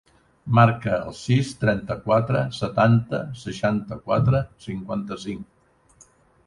Marca el sis, trenta-quatre, setanta, seixanta-quatre, cinquanta-cinc.